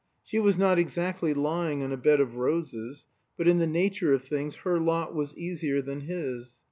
She was not exactly lying on a bed of roses; but in the nature of things her lot was easier than his.